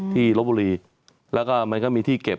ลบบุรีแล้วก็มันก็มีที่เก็บ